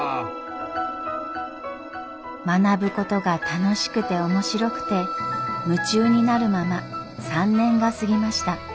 学ぶことが楽しくて面白くて夢中になるまま３年が過ぎました。